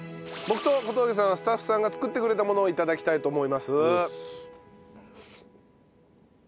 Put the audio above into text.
僕と小峠さんはスタッフさんが作ってくれたものを頂きたいと思います。